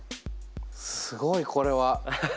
すごいこれは。